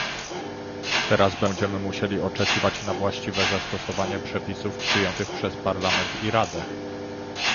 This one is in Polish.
Teraz będziemy musieli oczekiwać na właściwe zastosowanie przepisów przyjętych przez Parlament i Radę